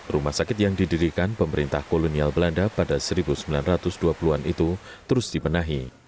rumah sakit yang didirikan pemerintah kolonial belanda pada seribu sembilan ratus dua puluh an itu terus dibenahi